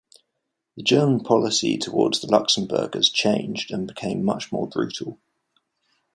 The German policy towards the Luxembourgers changed, and became much more brutal.